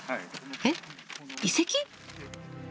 えっ遺跡？